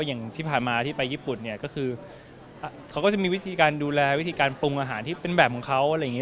อย่างที่ผ่านมาที่ไปญี่ปุ่นเนี่ยก็คือเขาก็จะมีวิธีการดูแลวิธีการปรุงอาหารที่เป็นแบบของเขาอะไรอย่างนี้